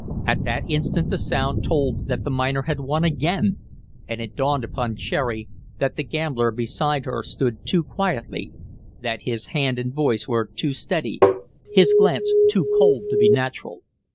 At that instant the sound told that the miner had won again, and it dawned upon Cherry that the gambler beside her stood too quietly, that his hand and voice were too steady, his glance too cold to be natural.